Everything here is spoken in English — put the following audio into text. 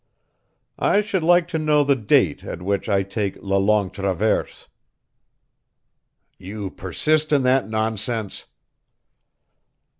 "I should like to know the date at which I take la Longue Traverse". "You persist in that nonsense?"